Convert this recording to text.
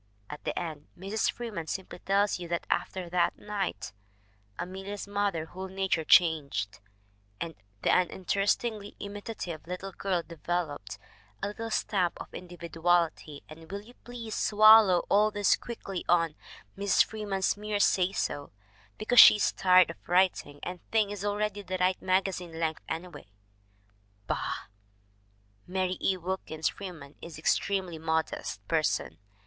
At the end Mrs. Freeman simply tells you that after "that night" Amelia's mother's whole nature changed and the uninterestingly imitative little girl developed "a little stamp of indi viduality" and will you please swallow all this quickly on Mrs. Freeman's mere say so because she is tired of writing and the thing is already the right magazine length anyway. Bah! MARY E. WILKINS FREEMAN 201 Mary E. Wilkins Freeman is an extremely modest person.